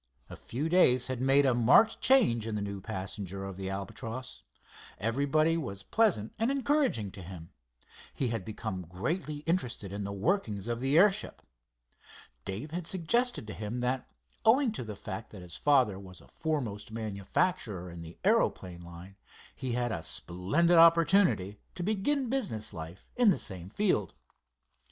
A few days had made a marked change in the new passenger of the Albatross. Everybody was pleasant and encouraging to him. He had become greatly interested in the workings of the airship. Dave had suggested to him that, owing to the fact that his father was a foremost manufacturer in the aeroplane line, he had a splendid opportunity to begin business life in the same field.